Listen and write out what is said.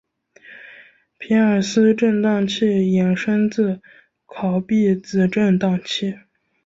皮尔斯震荡器衍生自考毕子振荡器。